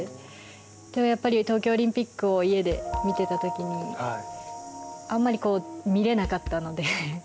でもやっぱり東京オリンピックを家で見てたときに、あんまり見れなかったので。